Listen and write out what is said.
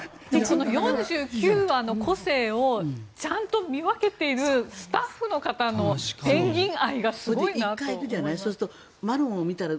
４９羽の個性をちゃんと見分けているスタッフの方のペンギン愛がすごいなと。